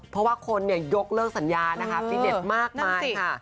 เพราะว่าคนยกเลิกสัญญานะคะฟิตเน็ตมากมายค่ะ